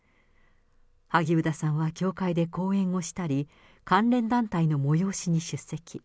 萩生田さんは教会で講演をしたり、関連団体の催しに出席。